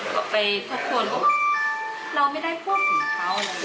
ก็ไปทบทวนว่าเราไม่ได้พูดถึงเขาเลย